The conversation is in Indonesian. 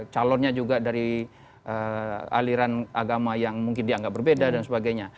calonnya juga dari aliran agama yang mungkin dianggap berbeda dan sebagainya